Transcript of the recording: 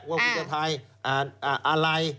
ว่าคุณจะทายอะไร